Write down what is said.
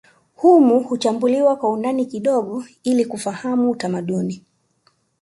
Humu huchambuliwa kwa undani kidogo ili kufahamu utamaduni